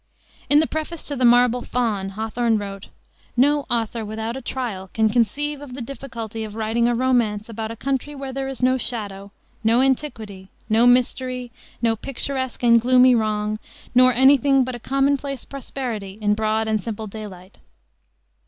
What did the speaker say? In the preface to the Marble Faun Hawthorne wrote: "No author without a trial can conceive of the difficulty of writing a romance about a country where there is no shadow, no antiquity, no mystery, no picturesque and gloomy wrong, nor any thing but a commonplace prosperity in broad and simple daylight."